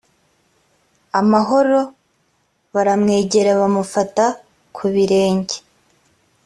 amahoro baramwegera bamufata ku birenge